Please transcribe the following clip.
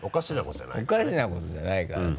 おかしなことじゃないからね。